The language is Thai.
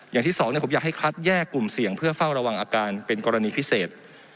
อย่างที่สองผมอยากให้คัดแยกกลุ่มเสี่ยงเพื่อเฝ้าระวังอาการเป็นกรณีพิเศษ